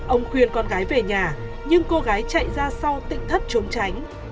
ông khuyên con gái về nhà nhưng cô gái chạy ra sau tự thất trốn tránh